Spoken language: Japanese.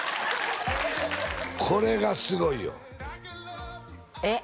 これがすごいよえっ？